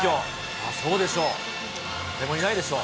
それはそうでしょう、誰もいないでしょ。